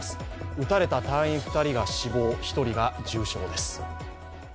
撃たれた隊員２人が死亡１人が重傷です。